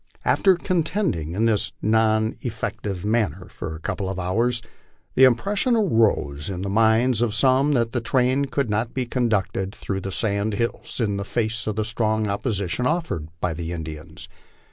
After contending in this non effectire manner for a couple of hours, the impression arose in the minds of some that the train could not be conducted through the sand hills in the face of the strong opposition offered by the Indians.